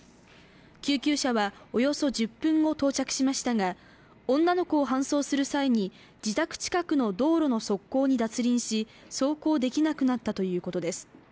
救急車はおよそ１０分後、到着しましたが女の子を搬送する際に自宅近くの道路の側溝に脱輪し走行できなくなったということです。